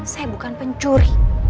saya bukan pencuri